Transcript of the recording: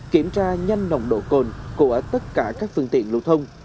kiểm tra nhanh nồng độ cồn của tất cả các phương tiện lưu thông